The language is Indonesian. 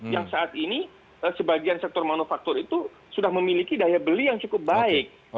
yang saat ini sebagian sektor manufaktur itu sudah memiliki daya beli yang cukup baik